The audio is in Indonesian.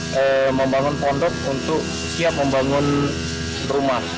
ada beberapa lahan yang sudah dipindahkan untuk membangun perumahan